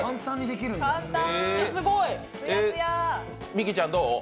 未姫ちゃんどう？